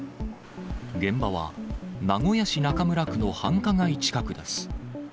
現場は名古屋市中村区の繁華街近くです。